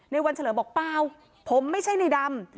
วันเฉลิมบอกเปล่าผมไม่ใช่ในดำ